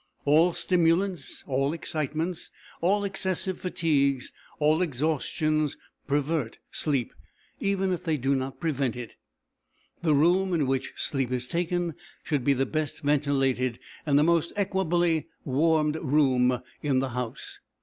All stimulants, all excitements, all excessive fatigues, all exhaustions pervert sleep even if they do not prevent it. The room in which sleep is taken should be the best ventilated and the most equably warmed room in the house.